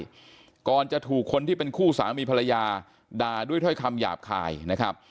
ก่อนจะถูกคนที่เป็นคู่สามีภรรยาด่าด้วยถ้อยคำหยาบคายนะครับ